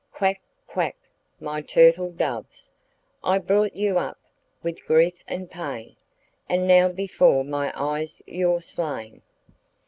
Quack, quack my turtle doves! I brought you up with grief and pain, And now before my eyes you're slain.